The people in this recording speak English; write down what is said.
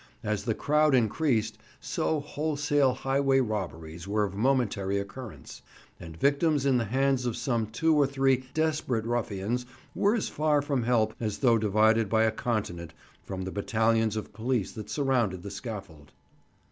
As the crowd increased, so wholesale highway robberies were of momentary occurrence; and victims in the hands of some two or three desperate ruffians were as far from help as though divided by a continent from the battalions of police that surrounded the scaffold.